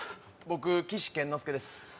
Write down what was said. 僕岸健之助です。